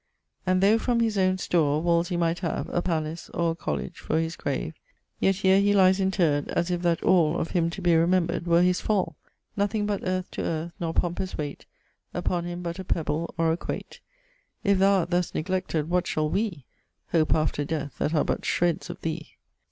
'And though, from his owne store, Wolsey might have A palace or a colledge for his grave, Yet here he lies interr'd, as if that all Of him to be remembred were his fall. Nothing but earth to earth, nor pompous weight Upon him but a pebble or a quayte. If thou art thus neglected, what shall wee Hope after death that are but shreds of thee?'